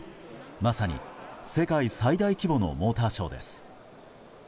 まさに世界最大規模のモーターショーです。